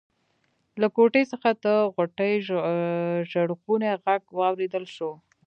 له کوټې څخه د غوټۍ ژړغونی غږ واورېدل شو.